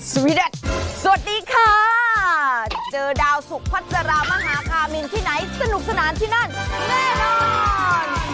สวัสดีค่ะเจอดาวสุพัสรามหาคามินที่ไหนสนุกสนานที่นั่นแน่นอน